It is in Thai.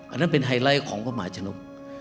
อันนั้นเป็นไฮไลท์ของพระมหาชนก